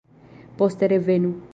Poste revenu.